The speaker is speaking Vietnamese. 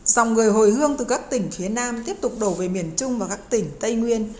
dòng người hồi hương từ các tỉnh phía nam tiếp tục đổ về miền trung và các tỉnh tây nguyên